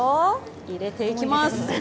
売れていきます。